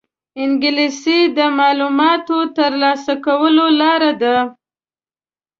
انګلیسي د معلوماتو د ترلاسه کولو لاره ده